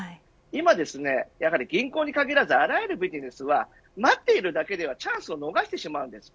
今は銀行に限らずあらゆるビジネスは待っているだけではチャンスを逃してしまいます。